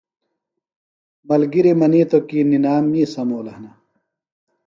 ملگِری منِیتوۡ کی نِنام می سمولہ ہِنہ۔